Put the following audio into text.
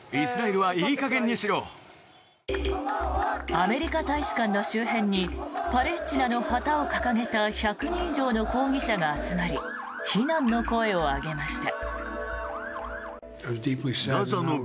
アメリカ大使館の周辺にパレスチナの旗を掲げた１００人以上の抗議者が集まり非難の声を上げました。